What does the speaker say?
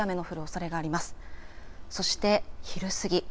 そして昼過ぎ。